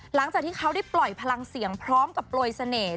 หลังจากที่เขาได้ปล่อยพลังเสียงพร้อมกับโปรยเสน่ห์